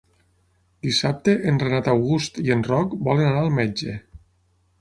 Dissabte en Renat August i en Roc volen anar al metge.